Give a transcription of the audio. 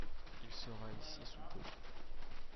Il sera ici sous peu.